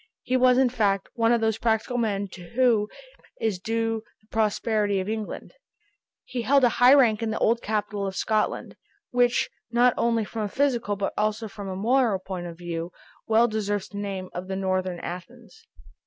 He was in fact one of those practical men to whom is due the prosperity of England. He held a high rank in the old capital of Scotland, which not only from a physical but also from a moral point of view, well deserves the name of the Northern Athens.